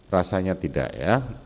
rasanya tidak ya